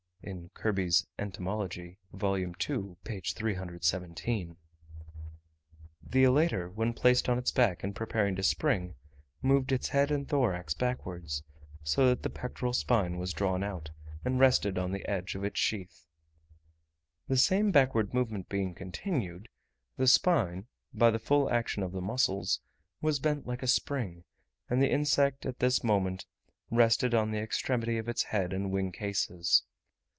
The elater, when placed on its back and preparing to spring, moved its head and thorax backwards, so that the pectoral spine was drawn out, and rested on the edge of its sheath. The same backward movement being continued, the spine, by the full action of the muscles, was bent like a spring; and the insect at this moment rested on the extremity of its head and wing cases.